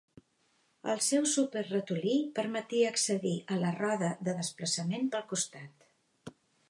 El seu "Súper Ratolí" permetia accedir a la roda de desplaçament pel costat.